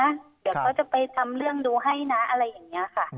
เดี๋ยวเขาจะไปทำเรื่องดูให้นะอะไรอย่างนี้ค่ะ